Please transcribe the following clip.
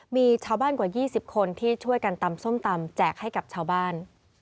มีชาวบ้านกว่า๒๐คนที่ช่วยกันตำส้มตำแจกให้กับชาวบ้าน